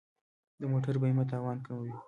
د موټر بیمه تاوان کموي.